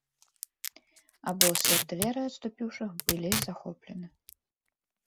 Абоз і артылерыя адступіўшых былі захоплены.